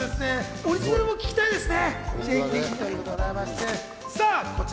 オリジナルも聴きたいですね。